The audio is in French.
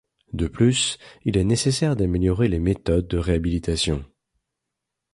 De plus, il est nécessaire d'améliorer les méthodes de réhabilitation.